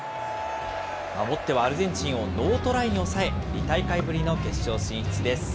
守ってはアルゼンチンをノートライに抑え、２大会ぶりの決勝進出です。